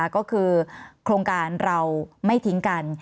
ก็คือโครงการเราไม่ทิ้งกัน